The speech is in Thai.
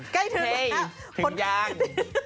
ใกล้เทิมแล้วถึงยัง